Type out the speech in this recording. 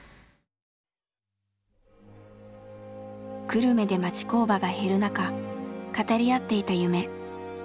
久留米で町工場が減る中語り合っていた夢。